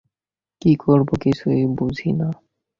কী করব কিছুই বুঝি না।